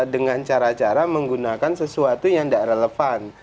dengan cara cara menggunakan sesuatu yang tidak relevan